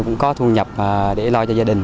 cũng có thu nhập để lo cho gia đình